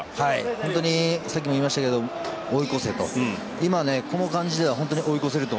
本当にさっきも言いましたが追い越せと。